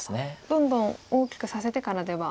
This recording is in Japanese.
どんどん大きくさせてからでは。